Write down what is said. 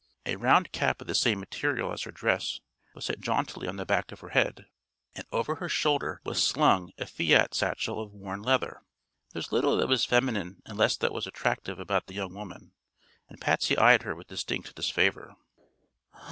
A round cap of the same material as her dress was set jauntily on the back of her head, and over her shoulder was slung a fiat satchel of worn leather. There was little that was feminine and less that was attractive about the young woman, and Patsy eyed her with distinct disfavor.